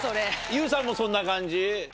ＹＯＵさんもそんな感じ？